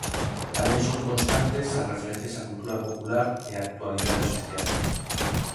Tamén son constantes as referencias á cultura popular e á actualidade social.